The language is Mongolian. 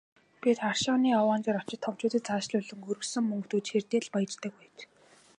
Бид рашааны овоон дээр очиж томчуудад аашлуулан, өргөсөн мөнгө түүж хэрдээ л «баяждаг» байж.